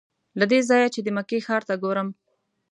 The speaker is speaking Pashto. له دې ځایه چې د مکې ښار ته ګورم.